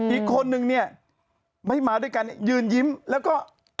อีกคนนึงเนี่ยไม่มาด้วยกันยืนยิ้มแล้วก็